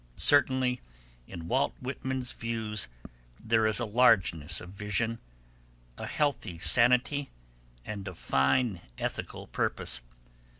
Certainly, in Walt Whitman's views there is a largeness of vision, a healthy sanity and a fine ethical purpose.